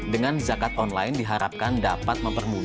dengan zakat online diharapkan dapat mempermudah